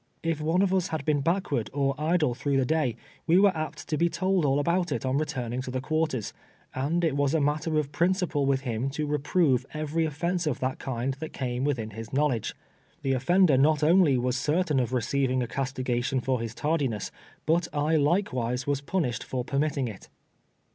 If one of us had been l)ackward or idle through tlie day, we were apt to be told all about it on returning to the (juarters, and as it M'as a matter of principle Avith him to re prove every offence of that kiiid that came within his knowledge, the offender not only was tjertain of re ceiving a castigation for his tardiness, but I likewise was punished f )r j)ermitting it.